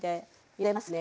入れますね。